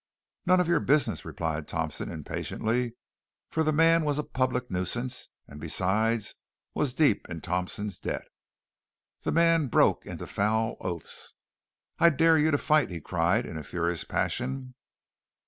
"None of your business," replied Thompson impatiently, for the man was a public nuisance, and besides was deep in Thompson's debt. The man broke into foul oaths. "I'll dare you to fight!" he cried in a furious passion.